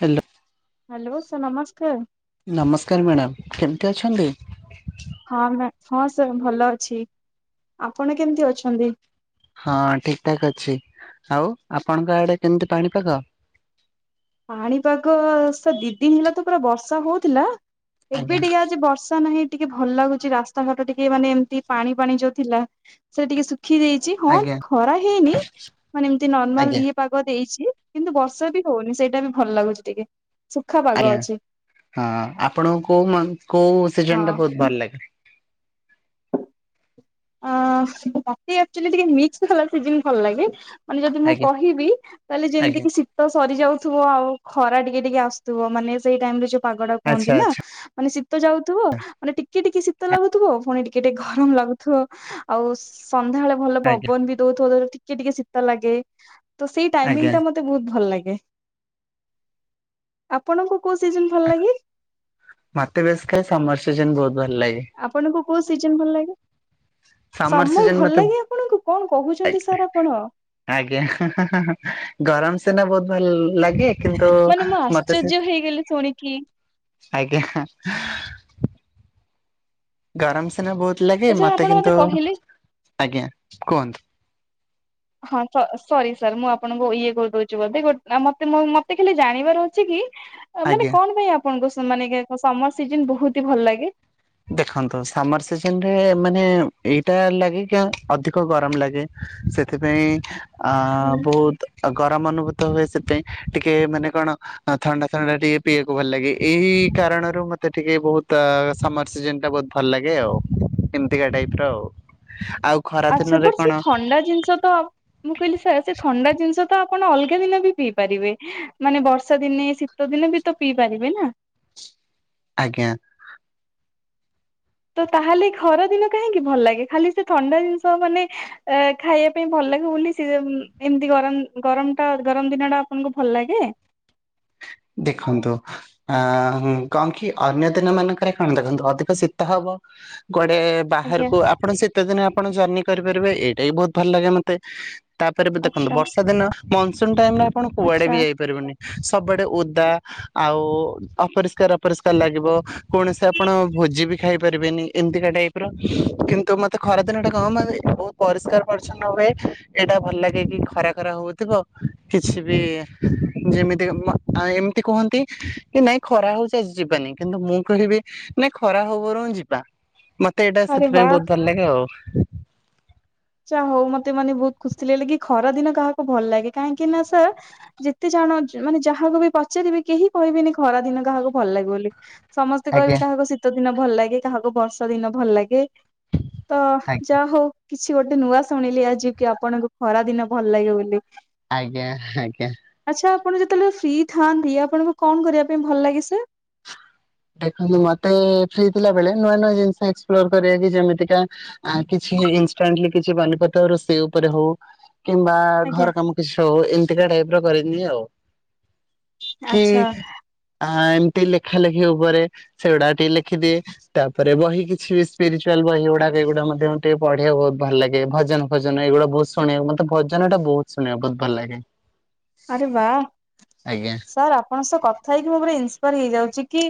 Hello hello, sir ନମସ୍କାର। ନମସ୍କାର madam, କେମିତି ଅଛନ୍ତି। ହଁ ମ ହଁ, ଠିକ ଠାକ୍ ଅଛି। ଆଉ ଆପଣଙ୍କ ଆଡେ କେମିତି ପାଣିପାଗ। ପାଣିପାଗ ସେ ଦି ଦିନ ହେଲା ତ ପୁରା ବର୍ଷା ହଉଥିଲା, ଆଜ୍ଞା ଏବେ ଟିକେ ଆଜି ବର୍ଷା ରାସ୍ତା ନାହିଁ ଟିକେ ଭଲ ଲାଗୁଛି, ରାସ୍ତାଘାଟ ଟିକେ ମାନେ ଏମିତି ପାଣି ପାଣି ଯୋଉ ଥିଲା ସେ ଟିକେ ଶୁଖି ଯାଇଛି। ହଁ, ଆଜ୍ଞା ଖରା ହେଇନି ମାନେ ଏମିତି ଆଜ୍ଞା ନମାଲ ପାଗ ଦେଇଛି, କିନ୍ତୁ ବର୍ଷା ବି ହଉନି ସେଇଟା ବି ଭଲ ଲାଗୁଛି ଟିକେ ସୁଖା ଆଜ୍ଞା ପାଗ ଅଛି ହଁ ଆପଣଙ୍କୁ କୋଉ-କୋଉ-ସିଜନ ହଁ। ଟା ବହୁତ ଭଲ ଲାଗେ। ଅ ମତେ ଅକଚୁଆଲି ଟିକେ ମିକସ ସିଜିନ ଭଲ ଲାଗେ। ମାନେ ଯଦି ମୁଁ ଆଜ୍ଞା କହିବି ତାହେଲେ ଆଜ୍ଞା ଯେମିତିକ ତ ସରି ଯାଉଥିବ ଆଉ ଖରା ଟିକେ ଟିକେ ଅସୁଥିବ ମାନେ ସେଇ ଟାଇମ ଯୋଉ ପାଗ ଆଚ୍ଛା କୁହନ୍ତି ନା। ଆଚ୍ଛା। ମାନେ ଶୀତ ଯାଉଥିବ ମାନେ ଟିକେ- ଟିକେ ଶୀତ ଲାଗୁଥିବ ପୁଣି ଟିକେ ଟିକେ ଗରମ ଲାଗୁଥିବ। ଆଉ ସନ୍ଧ୍ୟାବେଳେ ଭଲ ଆଜ୍ଞା ପବନ ବି ଦଉଥିବ ତ ଟିକେ, ଟିକେ, ଶୀତ ଲାଗେ। ତ ସେଇ ଆଜ୍ଞା ଟାଇମଙ୍ଗ ଟା ମତେ ବହୁତ ଭଲ ଲାଗେ। ଆପଣଙ୍କୁ? କୋଉ ସିଜିନ୍ ଭଲ ଲାଗେ। ମତେ ବେଶୀ କାଲି ସମର ସିଜିନ ବହୁତ ଭଲ ଲାଗେ। ଆପଣଙ୍କୁ କୋଉ ସିଜନ ଭଲ ଲାଗେ। ସମର ସିଜନ ଭଲ ମତେ ଲାଗେ ଆପଣଙ୍କୁ କଣ କହୁଛନ୍ତି ସାର୍ ଆପଣ। ଆଜ୍ଞା ଗରମ ସିନା ବହୁତ ଭଲ ଲାଗେ। କିନ୍ତୁ ମାନେ ମୁଁ ମତେ ସେ ଆଶ୍ଚର୍ଯ୍ୟ ହେଇଗଲି ଶୁଣିକି ଆଜ୍ଞା। ଗରମ ସିନା ବହୁତ ଲାଗେ। ଆଚ୍ଛା ମତେ ଆପଣ କିନ୍ତୁ କହିଲେ ଆଜ୍ଞା କୁହନ୍ତୁ। ହଁ ସରି ସରି ମୁଁ ଆପଣଙ୍କୁ ଇଏ କରିଦୋଉଛି ବୋଧେ ମତେ ମତେ ଖାଲି ଜାଣିବାର ଅଛି କି ମାନେ ଆଜ୍ଞା। କଣ ପାଇଁ ଆପଣଙ୍କୁ ମାନେ ସମର ସିଜନ ବହୁତ ହି ଭଲ ଲାଗେ। ଦେଖନ୍ତୁ ସମର ସିଜନ ରେ ମାନେ ଏଇଟା ଲାଗେ କି ଅଧିକ ଗରମ ଲାଗେ। ସେଥିପାଇଁ ଆ ବହୁତ ଆ ଗରମ ଅନୁଭୂତ ହୁଏ ସେଥିପାଇଁ, ଟିକେ ମାନେ କଣ ଥଣ୍ଡା ଥଣ୍ଡା ଟିକେ ପିଇବାକୁ ଭଲ ଲାଗେ। ଏଇ କାରଣରୁ ମତେ ଟିକେ ବହୁତ ସମର ସିଜନ ଟା ବହୁତ ଭଲ ଲାଗେ ଆଉ। ଏମିତିକା ଟାଇପ ର ଆଉ ଆଉ ଖରା ଆଚ୍ଛା ଦିନରେ ପଛ କଣ ଥଣ୍ଡା ଜିନିଷ ତ ମୁଁ କହିଲି ସାର୍ ସେ ଥଣ୍ଡା ଜିନିଷ ତ ଆପଣ ଅଲଗା ଦିନ ବି ପିଇ ପାରିବେ ମାନେ ବର୍ଷା ଦିନେ ଶୀତ ଦିନେ ବି ତ ପିଇ ପାରିବେ ନା। ଆଜ୍ଞା। ତ ତାହେଲେ ଖରା ଦିନ କାହିଁକି ଭଲ ଲାଗେ। ଖାଲି ସେ ଥଣ୍ଡା ଜିନିଷ ମାନେ ଅ ଖାଇବା ପାଇଁ ଭଲ ଲାଗେ ବୋଲି ସେ ଏମିତି ଗରମ ଗରମ ଟା ଗରମ ଦିନ ଟା ଆପଣଙ୍କୁ ଭଲ ଲାଗେ। ଦେଖନ୍ତୁ। ଅ କଣ କି ଅନ୍ୟ ଦିନ ମାନଙ୍କରେ କଣ ଦେଖନ୍ତୁ, ଅଧିକ ଶୀତ ହବ କୁଆଡେ ବାହାର ଆଜ୍ଞା କୁ ଆପଣ ଶୀତ ଦିନେ ଆପଣ ଜନି ପରିପାରିବେ ଏଇଟା ବି ବହୁତ ଭଲ ଗନାତେ। ତାପରେ ବି ଦେଖନ୍ତୁ ଆଚ୍ଛା। ବର୍ଷା ଦିନ ମନସୁନ ଟାଇମ ରେ ଆପଣ କୁଆଡେ ଆଚ୍ଛା ବି ଯାଇପାରିବେନି। ସବୁଆଡେ ସବୁଆଡେ ଓଦା ଆଉ ଅପରିଷ୍କାର-ଅପରିଷ୍କାର ଲାଗିବ କୌଣସି ଆପଣ ଭୋଜି ବି ଖାଇପାରିବେନି। ଏମିତିକା ଟାଇପ ର କିନ୍ତୁ ମତେ ଖରାଦିନ ଟା କଣ ମେ ବ ପରିଷ୍କାର ପରିଚ୍ଛନ୍ନ ହୁଏ। ଏଇଟା ଭଲ ଲାଗେ। କି ଖରା ଖରା ହଉଥିବ କିଛି ବି ଯେମିତି ମା ଆ ଏମିତି କୁହନ୍ତି। କି ନାଇଁ ଖରା ହଉଛି ଆଜି ଯିବାନି। କିନ୍ତୁ ମୁଁ କହିବି ନାଇଁ ଖରା ହବରୁ ଯିବା। ମତେ ଏଇଟା ଆରେ ବା ସେଥିପାଇଁ ବହୁତ ଭଲ ଲାଗେ ଆଉ‌। ଆଚ ହଉ ମତେ ମାନେ ବହୁତ ଖୁସି ଲାଗିଲା କି ଖରା ଦିନ କାହାକୁ ଭଲ ଲାଗେ କାହିଁକି ନା ସାର୍ ଯେତେ ଜଣ ମାନେ ଯାହାକୁ ବି ପଚାରିବେ କେହି କହିବେନି ଖରା ଦିନ କାହାକୁ ଭଲ ଲାଗିବ ବୋଲି। ସମସ୍ତେ ଆଜ୍ଞା କହିବେ କାହାକୁ ଶୀତ ଦିନ ଭଲ ଲାଗେ। କାହାକୁ ବର୍ଷା ଦିନ ଭଲ ଲାଗେ। ତ ଆଜ୍ଞା ଯା ହଉ କିଛି ଗୋଟେ ନୂଆ ଶୁଣିଲି। ଆଜି କି ଆପଣଙ୍କୁ ଖରା ଦିନ ଭଲ ଲାଗେ ବୋଲି। ଆଜ୍ଞା। ଆଜ୍ଞା। ଆଚ୍ଛା ଆପଣ ଯେତେବେଳେ ଫ୍ରି ଥାଆନ୍ତି ଆପଣଙ୍କୁ କଣ କରିବା ପାଇଁ ଭଲ ଲାଗେ ସାର୍? ଦେଖନ୍ତୁ ମତେ ଫ୍ରି ଥିଲା ବେଳେ ନୂଆ ନୂଆ ଜିନିଷ ଏକ୍ସପ୍ଲୋର କରିବା କି ଯେମିତିକା ଆ କିଛି ଇନାଣ୍ଟ କିଛି ପନିପ ରୋଷେଇ ଉପରେ ହଉ। କିମ୍ବା ଆଜ୍ଞା ଘର କାମ କିଛି ହଉ। ଏମତିକା ଟାଇପ ର କରିନି ଆଉ। କି ଆଚ୍ଛା ଏମିତି ଲେଖା ଲେଖି ଉପରେ ସେଗୁଡା ଟିକେ ଲେଖିଦିଏ। ତାପରେ ବହି କିଛି ବି ସ୍ପିରିଚୁଆଲ ବହି ଗୁଡାକ ଏଗୁଡା ମଧ୍ୟ ଟିକେ ପଢିବାକୁ ବହୁତ ଭଲ ଲାଗେ। ଭଜନ ଭଜନ ଏଗୁଡା ବହୁତ ଶୁଣିବା ମତେ ଭଜନଟା ବହୁତ ଶୁଣିବା ବହୁତ ଭଲ ଲାଗେ। ଆରେ ବା ଆଜ୍ଞା ସାର୍ ଆପଣଙ୍କ ସହ କ ଥା ହେଇକି ମୁଁ ପୁର ଇନ୍ସପାର ହେଇଯାଉଛି କି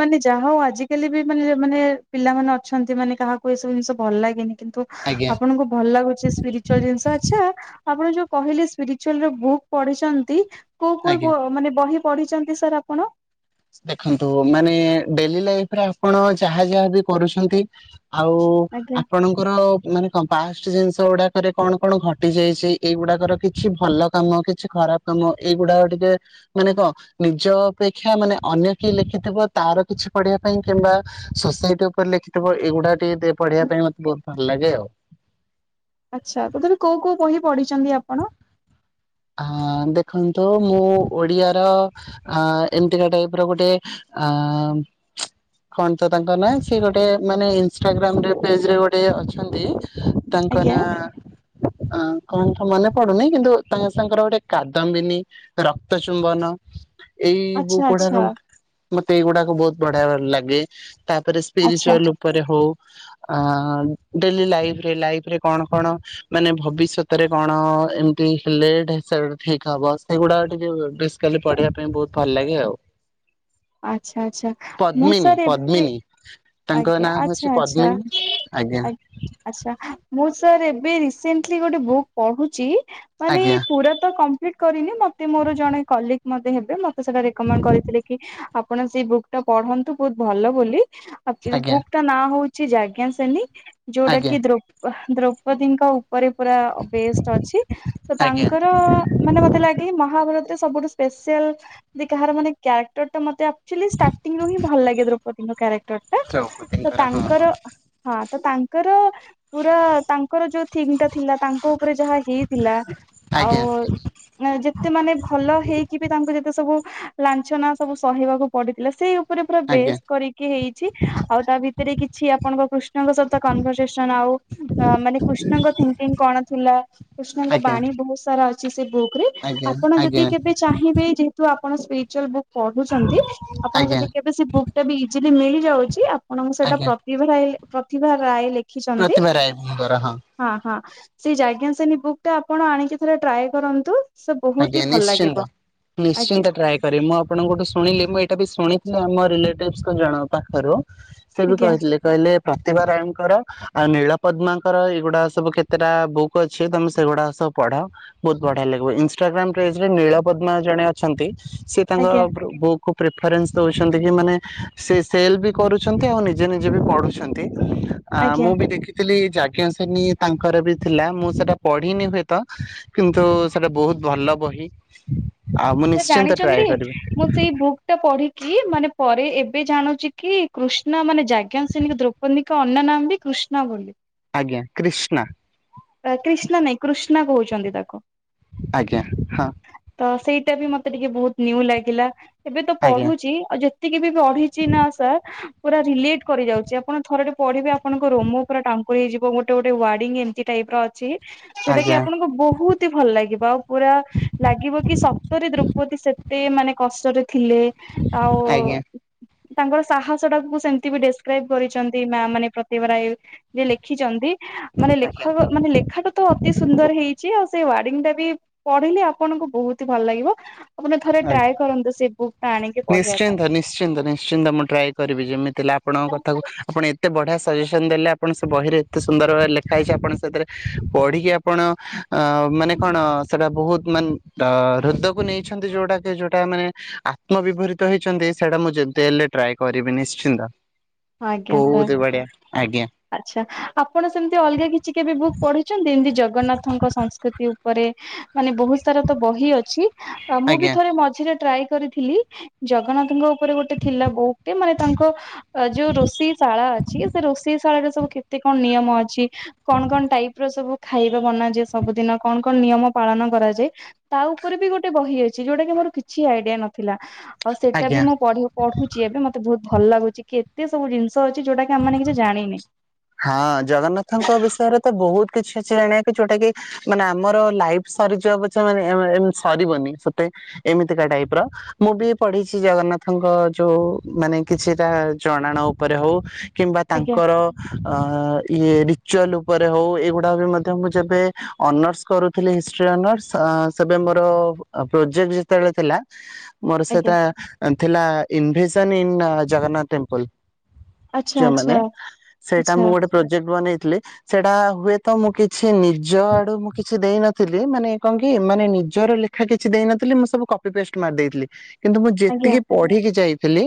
ମାନେ ଯାହା ହଉ ଆଜିକାଲି ବି ମାନେ ମାନେ ପିଲାମାନେ ଅଛନ୍ତି ମାନେ କାହାକୁ ଏସବୁ ଜିନିଷ ଭଲ ଲାଗେନି କିନ୍ତୁ ଆଜ୍ଞା ଆପଣଙ୍କୁ ଭଲ ଲାଗୁଛି ସ୍ପିରିଚୁଆଲ ଜିନିଷ ଆଛା। ଆପଣ ଯୋଉ କହିଲେ ସ୍ପିରିଚୁଆଲର ବୁକ ପଢିଛନ୍ତି କୋଉ କୋଉ ଆଜ୍ଞା। ବ ମାନେ ବହି ପଢିଛନ୍ତି ସାର୍ ଆପଣ? ଦେଖନ୍ତୁ ମାନେ ଡେଲି ଲାଇଫ ରେ ଆପଣ ଯାହା ଯାହା ବି କରୁଛନ୍ତି। ଆଉ ଆଜ୍ଞା ଆପଣଙ୍କର ମାନେ ତମ ପାଷ୍ଟ ଜିନିଷ ଗୁଡାକରେ କଣ କଣ ଘଟି ଯାଇଛି। ଏଇଗୁଡାକର କିଛି ଭଲ କାମ କିଛି ଖରାପ ତମ ଏଇଗୁଡାକ ଟିକେ ମାନେ କଣ ନିଜ ଅପେକ୍ଷା ମାନେ ଅନ୍ୟ କେହି ଲେଖିଥିବ ତାର କିଛି ପଢିବା ପାଇଁ କିମ୍ବା ସୋସାଇଟି ଉପରେ ଲେଖିଥିବ ଏଇଗୁଡା ଟିକେ ପଢିବା ପାଇଁ ମତେ ବହୁତ ଭଲ ଲାଗେ ଆଉ। ଆଚ୍ଛା ତମେ କୋଉ କୋଉ ବହି ପଢିଛନ୍ତି ଆପଣ? ହଁ ଦେଖନ୍ତୁ ମୁଁ ଓଡିଆର ଅ ଏମତିକା ଟାଇପ ର ଗୋଟେ ଅ କଣ ତ ତାଙ୍କ ନାଁ ସେ ଗୋଟେ ମାନେ ଇନଷଟାଗ୍ରାମ ପେଜରେ ଗୋଟେ ଅଛନ୍ତି। ତାଙ୍କ ଆଜ୍ଞା ନା ଅଁ କଣ ତ ମନେ ପଡୁନି କିନ୍ତୁ ତାଙ୍କ ସାଙ୍ଗର ଗୋଟେ କାଦମ୍ବିନୀ, ରକ୍ତ ଚୁମ୍ବନ, ଆଚ୍ଛା ଏଇବୁକୁଉଡା ଆଚ୍ଛା ସ ମତେ ଏଇଗୁଡାକୁ ବହୁତ ବଢିଆ ଲାଗେ। ତାପରେ ଆଚ୍ଛା ସ୍ପିରିଚୁଆଲ ଉପରେ ହଉ। ଆ ଡେଲି ଲାଇଫରେ ଲାଇଫ ରେ କଣ କଣ ମାନେ ଭବିଷ୍ୟତରେ କଣ ଏମିତି ଲେଟ ହିସାବରେ ଠିକ ହବ। ସେଗୁଡା ଟିକେ ବିସିକାଲି ପଢିବା ପାଇଁ ବହୁତ ଭଲ ଲାଗେ ଆଉ। [inaudible] ଆଚ୍ଛା ଆଛା ମୁଁ ପଦ୍ମିନୀ ସାର୍ ଏବେ ପଦ୍ମିନୀ ତାଙ୍କ ଆଜ୍ଞା ନାଁ ହଉଛି ଆଚ୍ଛା ପଦ୍ମିନୀ ଆଜ୍ଞା। ଆଛା ମୁଁ ସାର୍ ଏବେ ରିସେଣ୍ଟଲି ଗୋଟେ ବୁକ୍ ପଢୁଛି। ମାନେ ଆଜ୍ଞା ପୁରାତ କମ କରିନି ମତେ ମୋର ଜଣେ କଲଗ୍ ମତେ ହେବେ। ମତେ ସେଟା ରେକୋମେଣ୍ଡ କରିଥିଲେ କି ଆପଣ ସେଇ ବୁକ୍ ଟା ପଢନ୍ତୁ ବହୁତ ଭଲ ବୋଲି। ଆକଚୁଆଲି ଆଜ୍ଞା ବୁକ୍ ଟା ନାଁ ହଉଛି ଜଜ୍ଞା ସେନୀ। ଯୋଉଟା ଆଜ୍ଞା କି ଦୋ ଆହ ଦ୍ରୌପଦୀଙ୍କ ଉପରେ ପୁରା ବେଷ୍ଟ ଅଛି। ତ ଆଜ୍ଞା ତାଙ୍କର ମାନେ ମତେ ଲାଗେ ମହାଭାରତରେ ସବୁଠୁ ସ୍ପେଶାଲ ବି କାହାର ମାନେ କ୍ୟାରେକ୍ଟର ଟା ମତେ ଆକଚୁଆଲି ଷ୍ଟାରଟିଙ୍ଗରୁ ହିଁ ଭଲ ଲାଗେ ଦ୍ରୌପଦଙ୍କ କ୍ୟାରେକ୍ଟର। ଟା ତ ଦ୍ରୌପଦୀଙ୍କର ହଁ ତାଙ୍କର ହଁ ହଁ ତ ତାଙ୍କର ପୁରା ତାଙ୍କର ଯୋଉ ଥିଙ୍କ ଟା ଥିଲା ତାଙ୍କ ଉପରେ ଯାହା ହେଇଥିଲା। ଆଉ ଆଜ୍ଞା ହଁ ଯେତେ ମାନେ ଭଲ ହେଇକି ବି ତାଙ୍କୁ ଯେତେ ସବୁ ଲାଁଛନା ସବୁ ସହିବାକୁ ପଡିଥିଲା ସେଇ ଉ ପୁରା ପୁରା ଆଜ୍ଞା ବେଷ୍ଟ କରିକି ହେଇ ତି ଆଉ ତା ଭିତରେ କିଛି ଆପଣଙ୍କ କୃଷ୍ଣଙ୍କ ସହିତ କନଭରସେସନ ଆଉ ଅ ମାନେ କୁ କୃଷ୍ଣଙ୍କ ଥିଙ୍କିଙ୍ଗ କଣ ଥିଲା କୃଷ୍ଣଙ୍କ ଆଜ୍ଞା ବାଣୀ ବ ବହୁତ୍ ସାରା ଅଛି ସେ ବୁକ୍ ରେ ଆଜ୍ଞା ଆପଣ ଯଦି ଆଜ୍ଞା କେବେ ଚାହିଁବେ ଯେହେତୁ ଆପଣ ସ୍ପିରିଚୁଆଲ୍ ବୁକ ପଢୁଛନ୍ତି ଆପଣ ଆଜ୍ଞା ଯଦି କେବେ ସେ ବୁକ୍ ଟା ବି ଇଯିଲି ମିଳି ଳିଚି ଆପଣଙ୍କୁ ସେଇଟା ଆଜ୍ଞା ପ୍ରତିଭା ରାଏ ପ୍ରତିଭା ରାୟ ଲେଖିଚନ୍ତି। ପ୍ରତିଭା ରାୟ ଙ୍କର ହଁ ହଁ ସେଇ ଯଜ୍ଞାସେନୀ ବୁକ୍ ଟା ଆପଣ ଆଣିକି ଥରେ ଟ୍ରାଏ କରନ୍ତୁ। ସେ ବହୁତ ଆଜ୍ଞା ହି ଭଲ ନିଶ୍ଚିନ୍ତ ଲାଗିବ ଆଜ୍ଞା ନିଶ୍ଚିନ୍ତ ଟ୍ରାଏ କରିମି ମୁଁ ଆପଣଙ୍କଠୁ ଶୁଣିଲି ମୁଁ ଏଇଟା ବି ଶୁଣିଥିଲି ଆମ ରିଲେଟିଭସଙ୍କ ଜଣକ ପାଖରୁ। ସେ ବି ଆଜ୍ଞା କହିଥିଲେ କହିଲେ ପ୍ରତିଭା ରାୟ ଙ୍କର ଆଉ ନୀଳ ପଦ୍ମାଙ୍କର ଏଇଗୁଡା ସବୁ କେତେଟା ବୁକ୍ ଅଛି ତମେ ସେଗୁଡା ସବୁ ପଢ। ବହୁତ ବଢିଆ ଲାଗିବ ଇନଷ୍ଟାଗ୍ରାମ ପେଜରେ ନୀଳ ପଦ୍ମା ଜଣେ ଅଛନ୍ତି। ସିଏ ତାଙ୍କ ଆଜ୍ଞା ବ୍ରୁ ବୁକ୍ କୁ ପ୍ରିଫରେନ୍ସ ଦଉଛନ୍ତି କି ମାନେ ସେ ସେଲ ବି କରୁଛନ୍ତି ଆଉ ନିଜେ ନିଜେ ବି ପଢୁଛନ୍ତି। ଆ ଆଜ୍ଞା। ମୁଁ ବି ଦେଖିଥିଲି ଯଜ୍ଞାସେନୀ ତାଙ୍କର ବି ଥିଲା ମୁଁ ସେଟା ପଢିନି ହୁଏତ। କିନ୍ତୁ ସେଟା ବହୁତ ଭଲ ବହି ଆଉ ମୁଁ ସେ ନିଶ୍ଚିନ୍ତ ଜାଣିଛନ୍ତି ଟ୍ରାଏ ମୁଁ କରିବି। ସେଇ ବୁକ୍ ଟା ପଢିକି ମାନେ ପରେ ଏବେ ଜାଣୁଛି କି, କୃଷ୍ଣ ମାନେ ଯାଜ୍ଞସେନୀ ଦ୍ରୌ କୁହନି କି ଅନ୍ୟ ନାମ ବି କୃଷ୍ଣା ବୋଲି। ଆଜ୍ଞା, କ୍ରିଷ୍ଣା। କ୍ରିଷ୍ଣା ନାଇଁ କୃଷ୍ଣା କହୁଛନ୍ତି ତାକୁ। ଆଜ୍ଞା ହଁ। ତ ସେଇଟା ବି ମତେ ଟିକେ ବହୁତ ନ୍ୟୁ ଲାଗିଲା। ଏବେ ତ ଆଜ୍ଞା। ପଢୁଛି, ଆଉ ଯେ ତିକି ବି ପଢିଛି ନା ସାର୍, ପୁରା ରିଲେଟ୍ କରି ଯାଉଛି। ଆପଣ ଥର ଟେ ପଢିବେ, ଆପଣଙ୍କ ରୋମୋ ପୁରା ଟାଙ୍କୁରି ଯିବ। ଗୋଟେ ଗୋଟେ ୱାର୍ଡିଙ୍ଗ ଏମିତି ଟାଇପ୍ ର ଅଛି, ଯୋଉଟା କିି ଆଜ୍ଞା ଆପଣଙ୍କୁ ବହୁତ ତି ଭଲ ଲାଗିବ। ଆଉ ପୁରା ଲାଗିବ କି ସତରେ ଦ୍ରୌପତୀ ସେତେ ମାନେ କଷ୍ଟରେ ଥିଲେ। ଆଓ-ଓ ଆଜ୍ଞା ଆଜ୍ଞା ତାଙ୍କର ସାହସ ଟାକୁ ସେମତି ବି ଡେସ୍କ୍ରାଇବ୍ କରିଛନ୍ତି, ମ୍ୟାମ୍ ମାନେ ପ୍ରତିଭା ରାୟ। ଯେ ଲେଖିଛନ୍ତି, ମାନେ ଲେ ଅ ମାନେ ଲେଖାଟା ତ ଅତି ସୁନ୍ଦର ହେଇଛି। ଆଉ ସେ ୱାର୍ଡିଙ୍ଗ ଟା ବି ପଢିଲେ ଆପଣଙ୍କୁ ବହୁତି ଭଲ ଲାଗିବ। ଆପଣ ଥରେ ଆଜ୍ଞା। ଟ୍ରାଏ କରନ୍ତୁ, ସେ ବୁକ୍ ଟା ଆଣିକି। ପଢିବା ପାଇଁ। ନିଶ୍ଚିନ୍ତ, ନିଶ୍ଚିନ୍ତ, ନିଶ୍ଚିନ୍ତ। ମୁଁ ଟ୍ରାଏ କରିବି ଯେମିତି ହେଲେ ଆପଣଙ୍କ କଥାକୁ, ଆପଣ ଏ ଏତେ ବଢିଆ ସଜେସନ୍ ଦେଲେ, ଆପଣ ସେ ବହିରେ ଏତେ ସୁନ୍ଦର ଭାବେ ଲେଖା ହେଇଛି। ଆପଣ ସେଥିରେ ପଢିକି ଆପ୍ ଆପଣ ଅ, ମାନେ କଣ, ସେଟା ବହୁତ ମାନେ ଅ ହୃଦକୁ ନେଇଛନ୍ତି, ଯୋଉଟା ଯୋଉଟା ମାନେ ଆତ୍ମବିଭରିତ ହେଇଛନ୍ତି, ସେଇଟା ମୁଁ ଯେତେ ହେଲେ ଟ୍ରାଏ କରିବି ନିଶ୍ଚିନ୍ତ। ଆଜ୍ଞା, ବହୁତ ସାର୍। ବଢିଆ ଆଜ୍ଞା ଆଚ୍ଛା, ଆପଣ ସେମିତି ଅଲଗା କିଛି କେବେ ବୁକ୍ ପଢିଛନ୍ତି? ଯେମତି ଜଗନ୍ନାଥଙ୍କ ସଂସ୍କୃତି ଉପରେ। ମାନେ ବହୁତ ସାରା ତ ବହି ଅଛି। ମୁଁ ବି ଆଜ୍ଞା ଥରେ ମଝିରେ ଟ୍ରାଏ କରି ଥିଲି। ଜଗନ୍ନାଥଙ୍କ ଉପରେ ଗୋଟେ ଥିଲା ବୁକ୍ ଟେ, ମାନେ ତାଙ୍କ ଅ ଯୋଉ ରୋଷେଇ ଶାଳା ଅଛି, ସେ ରୋଷେଇ ଶାଳାରେ ସବୁ କେତେ କଣ ନିୟମ ଅଛି? କଣ କଣ ଟାଇପ୍ ର ସବୁ ଖାଇବା ବନାଯାଏ ସବୁ ଦିନ? କଣ କଣ ନିୟମ ପାଳନ କରାଯାଏ? ତା' ଉପରେ ବି ଗୋଟେ ବହି ଅଛି। ଯୋଉଟା କି ମୋର କିଛି ଆଇଡିଆ ନଥିଲା। ଆଉ, ସେଇଟା ଆଜ୍ଞା ବି ମୁଁ ପଢ଼େ, ପଢୁଛି ଏବେ ମତେ ବହୁତ ଭଲ ଲାଗୁଚି। କେତେ ସବୁ ଜିନିଷ ଅଛି। ଯୋଉଟା କି ଆମେ ମାନେ କିଛି ଜାଣିନେ। ହଁ, ଜଗନ୍ନାଥଙ୍କ ବିଷୟରେ ତ ବହୁତ କିଛି ଅଛି ଜଣିବାକୁ। ଯୋଉଟା କି ମାନେ ଆମର ଲାଇଫ୍ ସରିଯିବ ପଛେ, ମାନେ ଏମ୍ ମାନେ ସରିବନି ସତେ, ଏମିତିକା ଟାଇପ୍ ର। ମୁଁ ବି ପଢିଛି, ଜଗନ୍ନାଥଙ୍କ ଯୋଉ ମାନେ କିଛିଟା, ଜଣାଣ ଉପରେ ହଉ। କିମ୍ବା ଆଜ୍ଞା ତାଙ୍କର ଅ ଇଏ ରିଚୁଆଲ୍ ଉପରେ ହଉ। ଏଇଗୁଡା ବି ମଧ୍ୟ ମୁଁ ଯେବେ ଅନର୍ସ କରୁଥିଲି ହିଷ୍ଟ୍ରି ଅନର୍ସ। ଅଁ ସେବେ ମୋର ପ୍ରୋଜେକ୍ଟ ଯେତେବେଳେ ଥିଲା। ମୋର ଆଜ୍ଞା ସେଟା ଥିଲା, ଇନଭେସନ୍ ଇନ୍ ଜଗନ୍ନାଥ୍ ଟେମ୍ପଲ୍। ଆଚ୍ଛା ଯଉ ଆଚ୍ଛା ମାନେ, ସେଇଟା ଆଚ୍ଛା ମୁଁ ଗୋଟେ ପ୍ରୋଜେକ୍ଟ ବନେଇଥିଲି। ସେଇଡା ହୁଏ ତ, ମୁଁ କିଛି ନିଜ ଆଡୁ ମୁଁ କିଛି ଦେଇନଥିଲି। ମାନେ କଣ କି, ମାନେ ନିଜର ଲେଖ୍ ଖା କିଛି ଦେଇନଥିଲି। ମୁଁ ସବୁ କପି ପେଷ୍ଟ ମାରି ଦେଇଥିଲି। କିନ୍ତୁ, ମୁଁ ଆଜ୍ଞା ଯେତିକି ପଢିକି ଯାଇଥିଲି,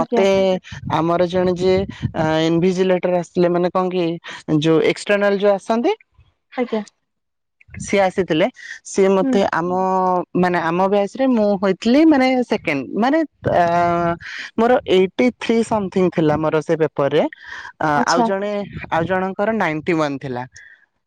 ଆଜ୍ଞା ଆମର ଜଣେ ଯେ ଇନ୍ଭିଜିଲେଟର୍ ଆସିଥିଲେ ମାନେ କଣ କି! ଯୋଉ ଏକ୍ସଟ୍ରନାଲ୍ ଯୋଉ ଆସନ୍ତି! ଆଜ୍ଞା। ସେ ଆସିଥିଲେ, ସିଏ ହୁଁ ମତେ, - ଆମ-ଅ ମାନେ, ଆମ ବ୍ୟାଚ୍ ରେ ମୁଁ ହୋଇଥିଲି ମାନେ, ସେକେଣ୍ଡ ମାନେ-ତଁ ମୋର ଏଇଟି ଥ୍ରୀ ସମଥିଙ୍ଗ ଥିଲା। ମୋରସ୍ ସେଇ ପେପରରେ, ଆଉ ଆଚ୍ଛା ଜଣେ ଆଉ ଜଣଙ୍କର ନାଇନ୍ଟି ୱାନ୍ ଥିଲା।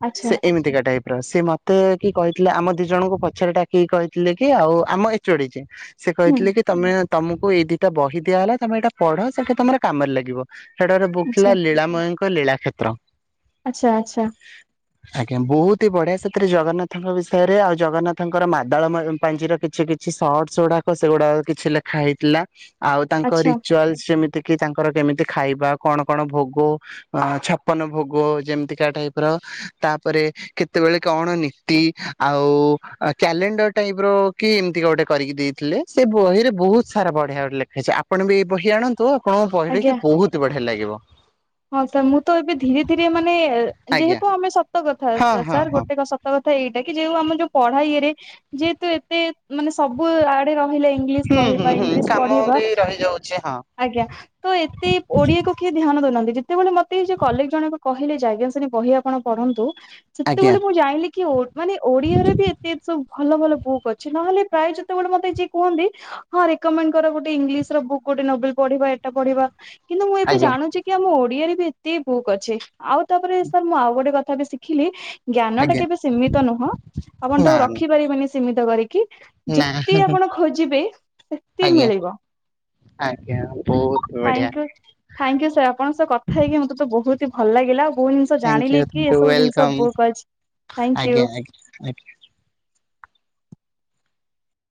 ଆଚ୍ଛା ସେ ଏମିତିକା ଟାଇପ୍ ର ସେ ମତେ କି କହିଥିଲେ, ଆମ ଦି ଜଣଙ୍କୁ ପଛରେ ଡାକିକି କହିଥିଲେ, କି ଆଉ ଆମ ଏଚ୍ ଓ ଡି ଯିଏ ସେ ହୁଁ କହିଥିଲେ କି, ତମେ ତମକୁ ଏଇ ଦି'ଟା ବହି ଦିଆଗଲା ତମେ ଏଇଟା ପଢ। ସେଠି ତମର କାମରେ ଲାଗିବ। ହେଟାରେ ବୁକ୍ ଆଚ୍ଛା ଥିଲା ଲୀଳାମୟଙ୍କ ଲୀଳା କ୍ଷେତ୍ର। ଆଚ୍ଛା ଆଚ୍ଛା। ହ [unintelligible] ଆଜ୍ଞା ବହୁତ ହି ବଢିଆ ସେଥିରେ ଜଗନ୍ନାଥଙ୍କ ବିଷୟରେ ଆଉ ଜଗନ୍ନାଥଙ୍କର ମାଦଳ ପାଞ୍ଜିର କିଛି କିଛି - କିଛି ସର୍ଟସ୍ ଗୁଡାକ ସେଗୁଡାକ କିଛି ଲେଖା ହେଇଥିଲା। ଆଉ ତାଙ୍କ ଆଚ୍ଛା ରିଚୁଆଲସ ଯେମିତି କି ତାଙ୍କର କେମିତି ଖାଇବା କଣ କଣ ଭୋଗ - ଅ ଛପନ ଭୋଗ ଯେମିତିକା ଟାଇପ ର ତାପରେ- କେତେବେଳେ କଣ ନୀତି ଆଉ କ୍ୟାଲେଣ୍ଡର ଟାଇପ ର କି ଏମିତି ଗୋଟେ କରିକି ଦେଇଥିଲେ। ସେ ବହିରେ ବହୁତ ସାରା ବଢିଆ ବଢେ ଲେଖା ଅଛି ଆପଣ ବି ଏଇ ବହି ଆଣନ୍ତୁ ଆଉ - ଆପଣ ପଢିବେ କି ଆଜ୍ଞା ବହୁତ ବଢିଆ ଲାଗିବ। ହଁ ସାର୍ ମୁଁ ତ ଏବେ ଧୀରେ ଧୀରେ ମାନେ ଆଜ୍ଞା ଯେହେତୁ ଆମେ ସତ କଥା ହଁ ହଁ ସାର୍ ହଁ ଗୋଟେ କ ସ କଥା ଏଇଟା କି ଯୋଉ ଆମ ଯୋଉ ପଢ ଇରେ ଯେହେତୁ ଏତେ ମାନେ ସବୁ ଆଡେ ରହିଲା ଇଂ ହୁଁ ହୁଁ କହିବା ହୁଁ ଇଂଲିଶ କାମ ପଢିବା ବି ରହିଯାଉଛି ହଁ। ଆଜ୍ଞା ତ ଏତେ ଓଡିଆକୁ କିଏ ଧ୍ୟାନ ଦଉନାହାନ୍ତି। ଯେତେବେଳେ ମତେଇ କଲିକ ଜଣକ କହିଲେ ଯେ ଆଜ୍ଞା ସେଣି ବହି ଆପଣ ପଢନ୍ତୁ। ଆଜ୍ଞା। ସେତେବେଳେ ମୁଁ ଜାଇଁଲିକି ମାନେ ଓଡିଆରେ ବି ଏତେ ସବୁ ଭଲ ଭଲ ବୁକ୍ ଅଛି ନହେଲେ ପ୍ରାୟ ଯେତେବେଳେ ମତେ ଯିଏ କୁହନ୍ତି ହଁ ରେକୋମେଣ୍ଡ କର ଗୋଟେ ଇଂଲିଶ ର ବକ୍ ଗୋଟେ ନଭେଲ ପଢିବା ଏଟା ପଢିବା। କିନ୍ତୁ ମୁଁ ଏବେ ଆଜ୍ଞା। ଜାଣଛି କି ଆମ ଓଡିଆରେ ବି ଏତେ ବୁକ୍ ଅଛି ଆଉ ତାପରେ ସାର୍ ମୁଁ ଆଉ ଗୋଟେ କଥା ବି ଶିଖି ଦେଖିଲି ଜ୍ଞାନ ଟା ଆଜ୍ଞା କେବେ ସୀମିତ ନୁହଁ ଆପଣ ନା ତାକୁ ନା। ରଖିପାରିବେନି ସୀମିତ କରିକି। ନା ଯେତେ ଆପଣ ଖୋଜିବେ ସେତେ ଆଜ୍ଞା ମିଳିବ। ଆଜ୍ଞା ବହୁତ ବଢିଆ ଥ୍ୟାଙ୍କ ଙ୍କୟୁ ସାର୍ ଆପଣଙ୍କ ସହ କଥା ହେଇକି ମୋତେ ତ ବହୁତ ହି ଭଲ ଲାଗିଲା। ତ ଥ୍ୟାଙ୍କୟୁ ଜାଣିଲି କି ଥ୍ୟାଙ୍କୟୁ ଏସବୁ ଜିନିଷ ୱେଲକମ୍। ବୁକ ଅଛି ଥ୍ୟାଙ୍କ ୟୁ। ଆଜ୍ା [unintelligible]